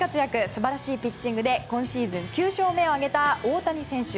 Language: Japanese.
素晴らしいピッチングで今シーズン９勝目を挙げた大谷選手。